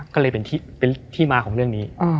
ก็เลยเป็นที่มาของเรื่องนี้